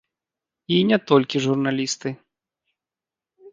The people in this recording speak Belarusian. І не толькі журналісты.